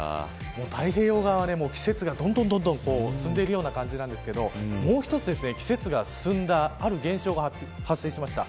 太平洋側は季節がどんどん進んでいるような感じなんですけどもう一つ、季節が進んだある現象が発生しました。